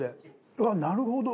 うわっなるほど！